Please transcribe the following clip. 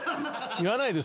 言わないです